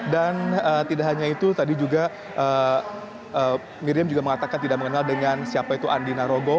dan tidak hanya itu tadi juga miriam juga mengatakan tidak mengenal dengan siapa itu andina rogo